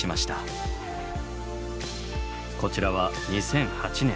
こちらは２００８年。